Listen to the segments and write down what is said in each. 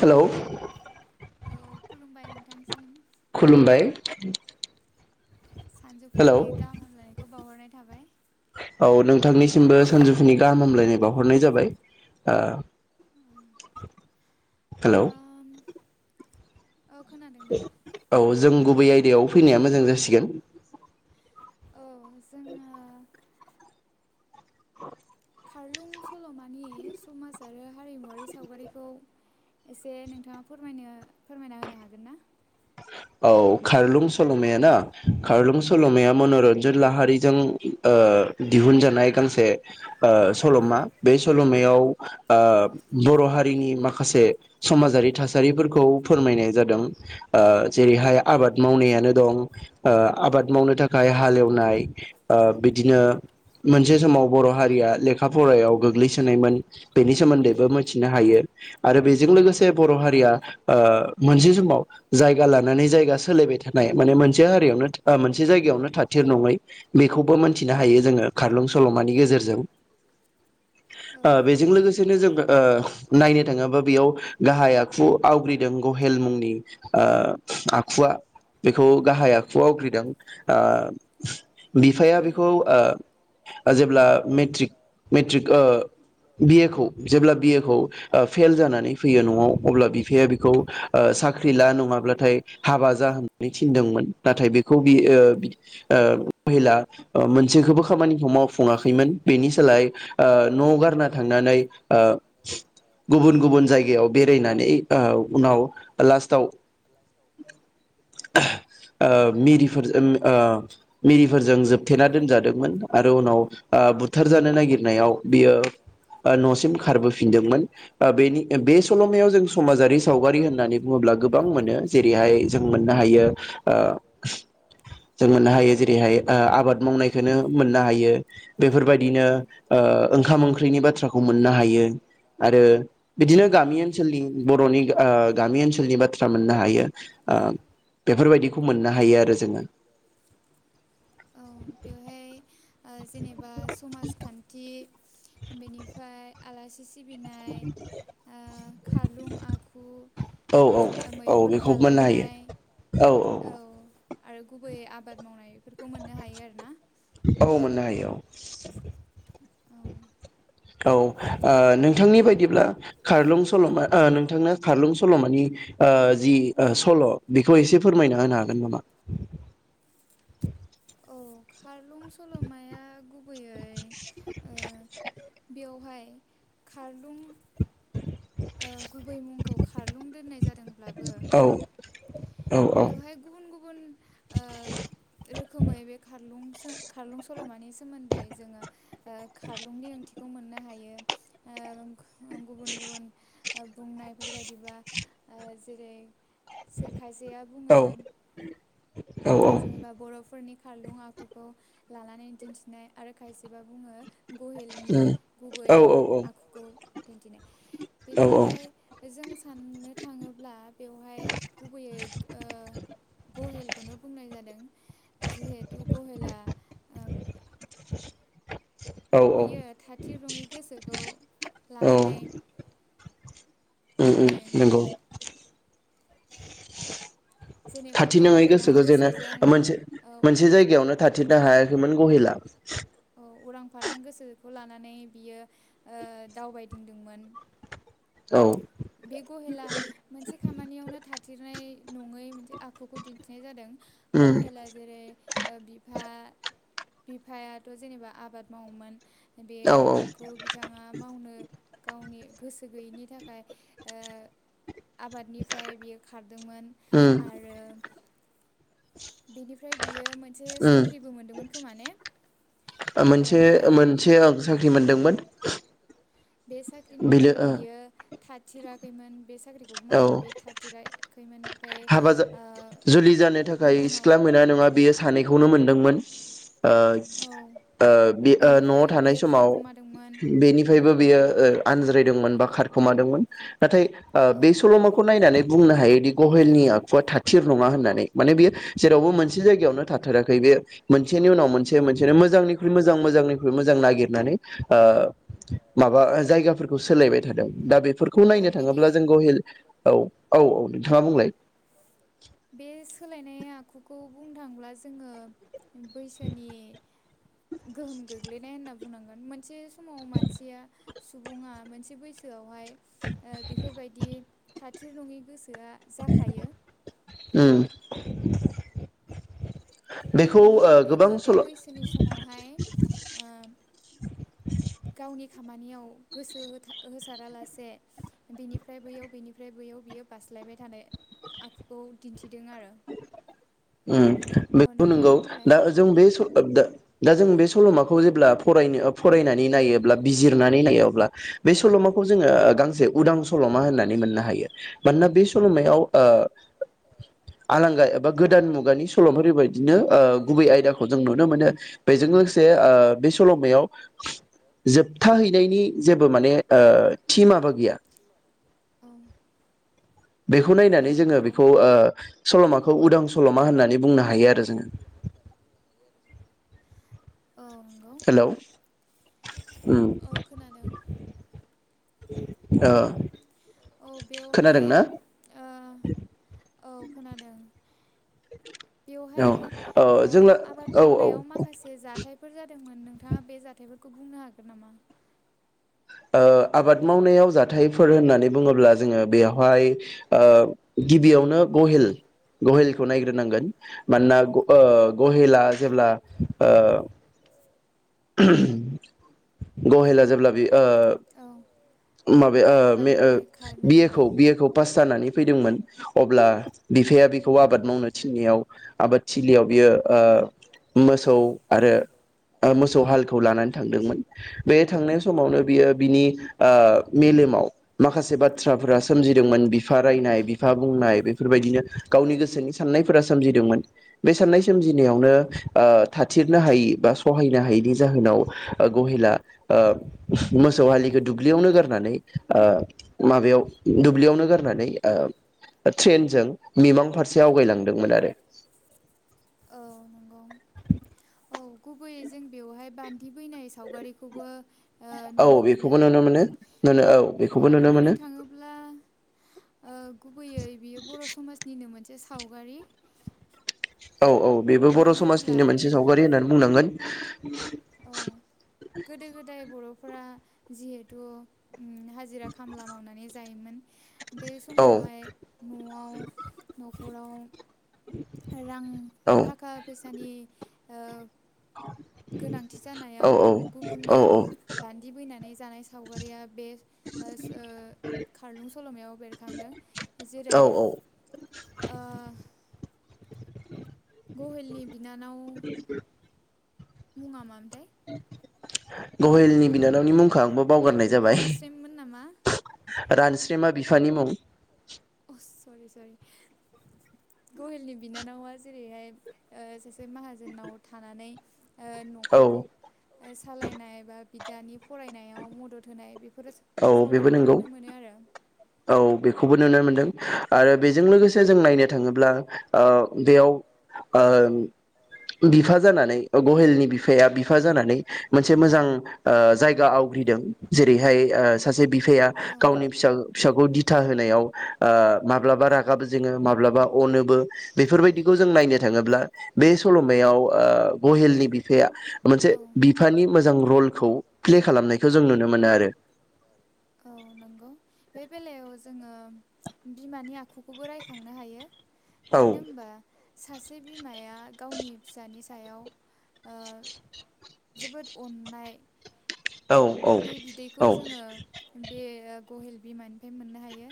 Hello औ खुलुमबाय नोंथांसिम। खुलुमबाय। सानजौफुनि गाहाम हामलायनायखौ बावहरनाय थाबाय। बो सानजुफुनि गाहाम हामलायनाय बावहरनाय जाबाय। ओ हेलौ औ खोनादों ना? जों गुबै आयदायाव फैनाया मोजां जासिगोन। औ जोङो खारलुं सल'मानि समाज आरो हारिमुवारि सावगारिखौ एसे नोंथाङा फोरमायनो फोरमायना होनो हागोन ना? औ खारलुं सल'माया ना खारलुं सल'माया मन'रन्जन लाहारिजों ओ दिहुनजानाय गांसे ओ सल'मा बे सल'मायाव ओ बर' हारिनि माखासे समाजारि थासारिफोरखौ फोरमायनाय जादों। ओ जेरैहाय आबाद मावनायानो दं ओ आबाद मावनो थाखाय हालेवनाय ओ बिदिनो मोनसे समाव बर' हारिया लेखा फरायाव गोग्लैसोनायमोन बेनि सोमोन्दैबो मिथिनो हायो आरो बेजों लोगोसे बर' हारिया ओ मोनसे समाव जायगा लानानै जायगा सोलायबाय थानाय माने मोनसे हारियावनो मोनसे जायगायावनो थाथिर नङै बेखौबो मोनथिनो हायो जोङो खारलुं सल'मानि गेजेरजों। ओ बे जों लोगोसेनो जों ओ नायनो थाङोबा बेयाव गाहाय आखु आवग्रिदों गहेल मुंनि ओ आखुवा बेखौ गाहाय आखु आवग्रिदों आ बिफाया बेखौ ओ जेब्ला मेट्रिक मेट्रिक ओ बिए खौ जेब्ला बि ए खौ ओ फेल जानानै फैयो न'आव अब्ला बिफाया बेखौ ओ ख्रिला नङाब्लाथाय हाबा जा होननानै थिनदोंमोन नाथाय बे खौ बि ओ ओ गहेला मोनसेखौबो खामानिखौ मावफुङाखैमोन बेनि सोलाय ओ न' गारना थांनानै ओ गुबुन गुबुन जायगायाव बेरायनानै ओ उनाव लास्टाव ओ मिरिफोरजों ओ मिरिफोरजों जोबथेना दोनजादोंमोन आरो उनाव ओ बुथार जानो नागिरनायाव बियो न'सिम खारबोफिनदोंमोन ओ बेनि बे सल'मायाव जों समाजारि सावगारि होननानै बुङोब्ला गोबां मोनो जेरैहाय जों मोननो हायो। ओ जों मोननो हायो जेरैहाय आबाद मावनायखौनो मोननो हायो। बेफोरबायदिनो ओ ओंखाम ओंख्रिनि बाथ्राखौ मोननो हायो आरो बिदिनो गामि ओनसोलनि बर'नि ओ गामि ओनसोलनि बाथ्रा मोननो हायो। बेफोरबायदिखौ मोननो हायो आरो जोङो। बेवहाय ओ जेनेबा समाजखान्थि बेनिफ्राय आलासि सि सिबिनाय ओ खारलुं आखु मैहुर खालामनाय औ। आरो गुबैयै आबाद मावनाय बेफोरखौ मोननो हायो आरो। औ मोन हायो औ। औ ओ नोंथांनि बायदिब्ला खारलुं सल'मा ओ नोंथांनो खारलुं सल'मानि ओ जि सल' बेखौ एसे फोरमायना होनो हागोन नामा ओंखार रं सल'माया गुबैयै ओ बेवहाय खारलुं ओ गुबै मुंखौ खारलुं दोननाय जादोंब्लाबो बेवहाय गुबुन गुबुन ओ रोखोमै बे खारलुं खारलुं सल'मानि सो सोमोन्दै जोङो ओ खारलुंनि ओंथि खौ मोननो हायो ओ [unintelligible] बुंनायफोरबायदिबा ओ जेरै खायसे खायसेया बुङो जेनेबा बर'फोरनि खारलुं आखुखौ लानानै दिन्थिनाय आरो खायसेबा बुङो गहेलनि गुबै आखुखौ दिन्थिनो बेनिफ्राय जों साननो थाङोब्ला बेवहाय गुबैयै ओ गहेलखौनो बुंनाय जादों जिहेथु गहेला [inaudible] बियो थाथिर नङि गोसोखौ लानानै उम उम नंगौ थाथि नङै गोसोखौ जेननो मोनसे मोनसे जायगायावनो थाथिनो हायाखैमोन गहेला ओ उरां फारां गोसोखौ लानानै बियो ओ दावबायदिंदोंमोन औ बे गहेला मोनसे खामानियावनो थाथेरनाय नङै मोनसे आखुखौ दिन्थिनाय जादों गहेला जेरै बिफा बिफायाथ' जेनेबा आबाद मावोमोन बे आबादखौ बिथाङा मावनो गावनि गोसो गैयैनि थाखाय ओ आबादनिफ्राय बियो खारदोंमोन आरो बेनिफ्राय बियो मोनसे साख्रिबो मोनदोंमोन खोमा ने औ बे बे साख्रिनिफ्रायबो बियो थानो थिराखैमोन बे साख्रिखौ मावनानै बे थारथिराखैमोन हाबा जा जुलि जानो थाखाय सिख्ला मोना नङा बेयो सानैखौनो मोनदोंमोन। ओ ओ बे ओ न'आव थानाय समाव बेनिफायबो बियो ओं आनज्रायदोंमोन बा खारखुमादोंमोन। नाथाय ओ बे सल'माखौ नायनानै बुंनो हायो गहेलनि आखुआ थाथिर नङा होननानै माने बेयो जेरावबो मोनसे जायगायावनो थाथाराखै बे मोन सेनि उनाव मोन से मोनसेनो मोजांख्रु मोजां मोजनिख्रु मोजां नागिर माने ओ माबा जायगाफोरखौ सोलायबाय थादों। दा बेफोरखौ नायनो थाङोब्ला जों गहिल औ औ औ। बे सोलायनाय बेे आखुखौ बुंनो थांब्ला जोङो बैसोनि गोहोम गोग्लैनाय होनना बुंनांगोन मोनसे समाव मानसिया सुबुङा मोनसे बैसोआवहाय ओ बेफोरबायदि था थिर नङै गोसो आ जाखायो। [unintelligible] बेनिखायनो बेबो बे बैसोनि समावहाय ओ गावनि खामानियाव गोसो होथा होसारालासे बिनिफ्राय बैयाव बेनिफ्राय बैयाव बियो बास्लायबाय थानाय आखुखौ दिन थिदों आरो। बेबो नंगौ दा जों बे समाव दा बे सल'माखौ जेब्ला फरायनो फरायनानै नायोब्ला बिजिरनानै नायो अब्ला बे सल'माखौ जोङो गांसे उदां सल'मा होननानै मोननो हायो मानोना बे सल'मायाव ओ आलांगा एबा गोदान मुगानि सल'फोरनि बादिनो ओ गुबै आयदाखौ जों नुनो मोनो बेजों लोगोसे ओ बे सल'मायाव जोबथाहैनायनि जेबो माने ओ थि माबा गैया। बेखौ नायनानै जोङो बेखौ ओ सल'माखौ उदां सल'मा होननानै बुंनो हायो आरो जोङो। हेलौ उम। ओ औ बेवहाय ओ औ खोनादों बेवहाय ओ आबाद मावनायाव माखासे जाथाय फोर जादोंमोन नोंथाङा बे जाथायफोरखौ बुंनो हागोन नामा? ओ आबाद मावनायाव जाथायफोर होननानै बुङोब्ला जोङो बेवहाय ओ गिबियावनो गहेल गहेलखौ नायग्रोनांगोन मानोना ओ गहेला जेब्ला ओ गहेला जेब्ला बेयो ओ माबाया ओ मे ओ बि ए खौ पास जानानै फैदोंमोन अब्ला बिफाया बिखौ आबाद मावनो थिननायाव आबाद थिलियाव बियो ओ मोसौ आरो मोसौ हालखौ लानानै थांदोंमोन बे थांनाय समावनो बियो बिनि ओ मेलेमाव माखासे बाथ्राफोरा सोमजिदोंमोन बिफा रायनाय बिफा बुंनाय बेफोरबायदिनो गावनि गोसोनि साननायफोरा सोमजिदोंमोन बे साननाय सोमजिनायावनो ओ थाथिरनो हायि बा सहायनो हायैनि जाहोनाव ओ गहेला ओ मोसौ हालिखौ दुब्लियावनो गारनानै ओ माबेयाव दुब्लियावनो गारनानै ओ ट्रेन मिमां फारसे आवगायलांदोंमोन आरो गुबैयै जों बेवहाय बान दि बैनाय सावगारिखौबो ओ नुनो मोनो बेखौ बुंनो थाङोब्ला ओ गुबैयै बेयो बर' समाजनि नो मोनसे सावगारि औ औ बेबो बर' समाजनिनो मोनसे सावगारि होननानै बुंनांगोन। औ गोदो गोदाय बर' फोरा जिहेथु उम हाजिरा खामला मावनानै जायोमोन। बे समावहाय नआव नखराव रां थाखा फैसा दानि ओ गोनांथि जानायाव गुबुननियाव बान्दि बैनानै जा जानाय सावगारिया बे ओ सो खारलुं सलमायाव बेरखांदों जेरै ओ [inaudible] गहेलनि बिनानाव [unintelligible] मुङा मा मोनथाय गहेलनि बिनानावनि मुंखो आंबो रानस्रेममोन नामा। रानस्रेमा बिफानि मुं सरि सरि गहेलनि बिनानावा जेरैहाय सासे माहाजोनाव थानानै ओ न'खरखो सालायनाय बा बिदानि फरायनायाव मदद होनाय बेफोर बेफोरो सावगारिखौ नुनो मोनो आरो। औ बेखौबो नुनो मोनदों आरो बेजों लोगोसे जों नायनो थाङोब्ला ओ बेयाव ओ बिफा जानानै गहेलनि बिफाया बिफा जानानै मोनसे मोजां ओ जायगा आवग्रिदों जेरैहाय सासे बिफाया गावनि फिसा फिसाखौ दिथा होनायाव ओ माब्लाबा रागाबो जोङो माब्लाबा अनोबो बेफोरबायदिखौ जों नायनो थाङोब्ला बे सलमायाव ओ गहेलनि बिफाया मोनसे बिफानि मोजां रलखौ प्ले खालामनायखौ जों नुनो मोनो आरो। औ नंगौ बे बेलायाव जोङो बिमानि आखुखौबो रायखांनो हायो। मानो होनबा। सासे बिमाया गावनि फिसानि सायाव ओ जोबोद अननाय [inaudible] बे बिदैखौ जोङो बे गहेल बिमानिफ्राय मोननो हायो।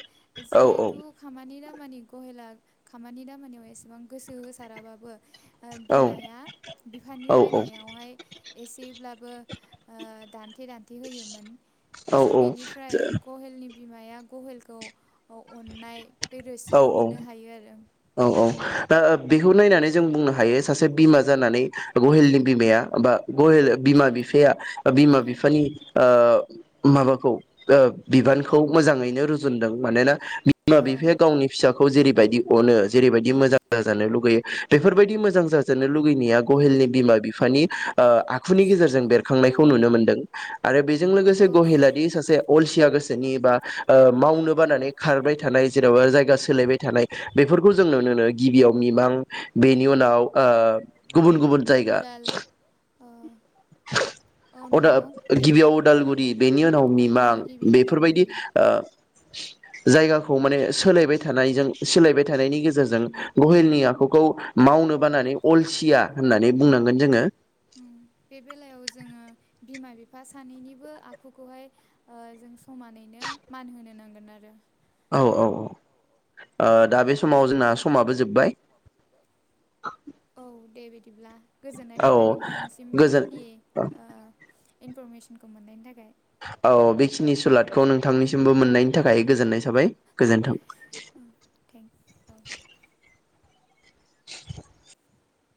जिहतु खामानि दामा खामानि गहेला खामानि दामानियाव एसेबां गोसो होसाराबाबो ओ बिमाया बिफानि रायनायावहाय एसेब्लाबो ओ दान थिराथ बिदि होयोमोन। जों बेनिफ्राय गहेलनि बिमाया गहेलखौ अननाय बे रोसिखौ मोननो हायो आरो ओं। औ औ दा बेखौ नायनानै जों बुंनो हायो सासे बिमा जानानै गहेलनि बिमाया बा गहेल बिमा बिफाया बिमा बिफानि ओ माबाखौ ओ बिबानखौ मोजाङैनो रुजुनदों मानोना बिमा बिफाया गावनि फिसाखौ जेरै बायदि अनो जेरैबायदि मोजां जाजानो लुुबैयो बेफोरबायदि मोजां जाजानो लुुगैनाया गहेलनि बिमा बिफानि ओ आ खुनि गेजेरजों बेरखांनायखौ नुनो मोन्दों आरो बेजों लोगोसे गहिलाारि सासे अलसिया गोसोनि बा ओ मावनो बानानै खारबाय थानाय जेनबा जायगा सोलायबाय थानाय बेफोरखौ जों नुनोनो गिबियाव मिमां बेनि उनाव ओ गुबुन गुबुन जायगा अदा गिबियाव उदालगुरि बेनि उनाव मिमां बेफोरबायदि ओ जायगाखौ माने सोलायबाय थानायजों सोलायबाय थानायनि गेजेरजों गहेलनि आखुखौ माव‌नो बानानै अलसिया होननानै बुंनांगोन जोङो। बे बेलायाव जोङो बिमा बिफा सानैनिबो आखुखौहाय ओ जों समानैनो मान होनो नांगोन आरो। औ औ औ। दा बे समाव जोंना समाबो जोब्बाय [inaudible] औ दे बिदि बिदिब्ला गोजोननाय थाबाय नोंथांसिम बेखिनि ओ इनफरमेसनखौ मोननायनि थाखाय औ बेखिनि सुलादखौ नोंथांनिसिमबो मोननायनि थाखाय गोजोननाय थाबाय गोजोन्थों।